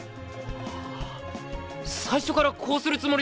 あ最初からこうするつもりで。